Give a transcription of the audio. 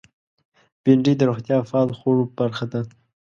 بېنډۍ د روغتیا پال خوړو برخه ده